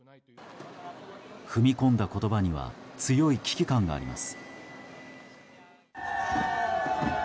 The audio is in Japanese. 踏み込んだ言葉には強い危機感があります。